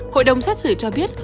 hội đồng xét xử cho biết